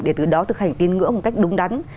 để từ đó thực hành tín ngưỡng một cách đúng đắn